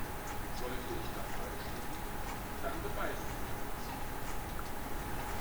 Sollte ich da falsch liegen, dann beweisen Sie mir das.